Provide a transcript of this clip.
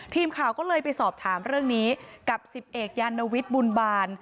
ทีมข่าวก็เลยไปสอบถามเรื่องนี้กับสิบเอกยานวิทย์บุญบาล